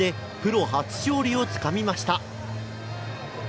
プロ初勝利をつかみました。